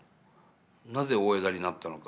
なぜ大條になったのか。